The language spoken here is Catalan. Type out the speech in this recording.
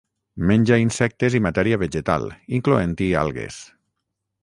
Menja insectes i matèria vegetal, incloent-hi algues.